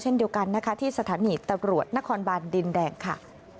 เช่นเดียวกันนะคะที่สถานีตำรวจนครบานดินแดงค่ะ